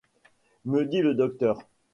me dit le docteur.